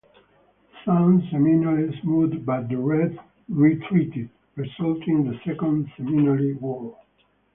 Some Seminoles moved but the rest retreated, resulting in the Second Seminole War.